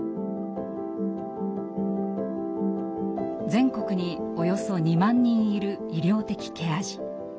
全国におよそ２万人いる医療的ケア児。